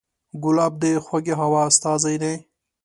ګلاب د خوږې هوا استازی دی.